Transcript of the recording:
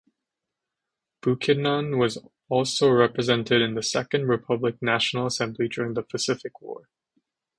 Bukidnon was also represented in the Second Republic National Assembly during the Pacific War.